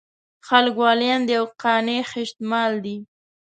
خلک واليان دي او قانع خېشت مال دی.